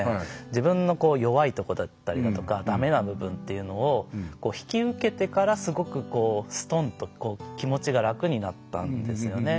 自分の弱いとこだったりだとかだめな部分っていうのを引き受けてからすごくこうすとんと気持ちが楽になったんですよね。